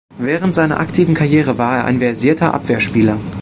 Während seiner aktiven Karriere war er ein versierter Abwehrspieler.